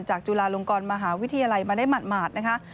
จุฬาลงกรมหาวิทยาลัยมาได้หมาดนะคะ